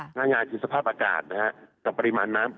หน้างานคือสภาพอากาศนะฮะกับปริมาณน้ำ